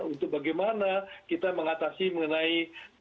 untuk bagaimana kita mengatasi mengenai